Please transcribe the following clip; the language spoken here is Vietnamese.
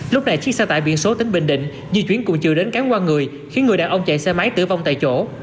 lúc này chiếc xe tải biển số tỉnh bình định di chuyển cùng chiều đến cán qua người khiến người đàn ông chạy xe máy tử vong tại chỗ